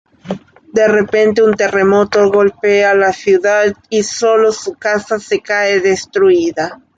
De repente un "terremoto" golpea la ciudad y solo su casa se cae destruida.